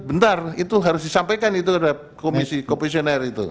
bentar itu harus disampaikan itu terhadap komisi komisioner itu